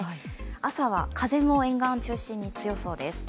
朝は風も沿岸を中心に強そうです。